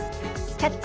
「キャッチ！